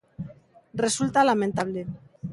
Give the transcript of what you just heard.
Resulta lamentable.